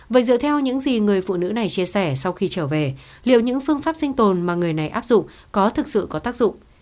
vậy dựa theo những gì người phụ nữ này chia sẻ sau khi trở về liệu những phương pháp sinh tồn mà người này áp dụng có thực sự có tác dụng